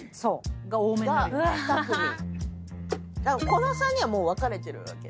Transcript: この３人はもう分かれてるわけ。